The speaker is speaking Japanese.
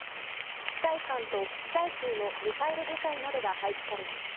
地対艦と地対空のミサイル部隊などが配置されます。